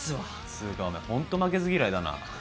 つうかおめえホント負けず嫌いだな。